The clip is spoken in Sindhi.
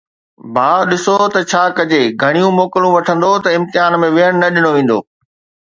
ڀاءُ، ڏسو ته ڇا ڪجي، گهڻيون موڪلون وٺندؤ ته امتحان ۾ ويهڻ نه ڏنو ويندو.